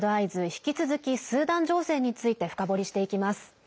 引き続きスーダン情勢について深掘りしていきます。